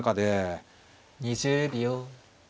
２０秒。